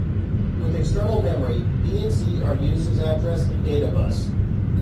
With external memory, B and C are used as address and data bus.